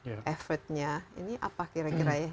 sepedanya ini apa kira kira